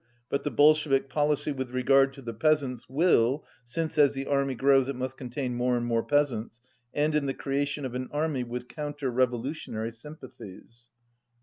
But the Bolshevik policy with re gard to the peasants will, since as the army grows it must contain more and more peasants, end in the creation of an army with counter revolutionary sympathies.